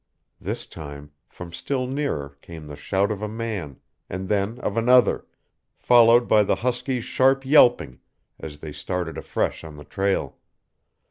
This time, from still nearer, came the shout of a man, and then of another, followed by the huskies' sharp yelping as they started afresh on the trail.